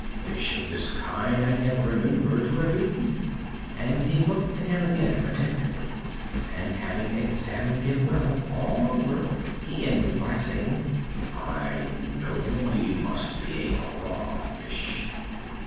Fish of this kind I never remember to have eaten." And he looked at him again attentively and, having examined him well all over, he ended by saying: "I know: he must be a craw fish."